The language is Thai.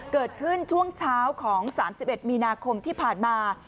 เกิดขึ้นช่วงเช้าของ๓๑มีนาคมที่ผ่านมา